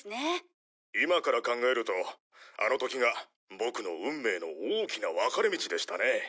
「今から考えるとあの時がボクの運命の大きな分かれ道でしたね」